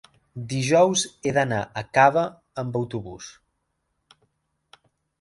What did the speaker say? dijous he d'anar a Cava amb autobús.